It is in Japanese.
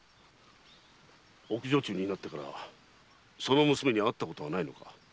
奥女中になってからその娘に会ったことはないのか？